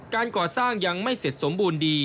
การก่อสร้างยังไม่เสร็จสมบูรณ์ดี